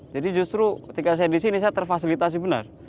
jadi justru ketika saya di sini saya terfasilitasi benar